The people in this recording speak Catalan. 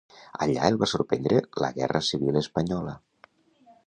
Allà el va sorprendre la Guerra Civil espanyola.